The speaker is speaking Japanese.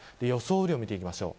雨量を見ていきましょう。